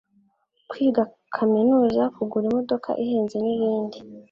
kwiga kaminuza, kugura imodoka ihenze n'ibindi